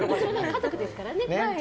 家族ですからね。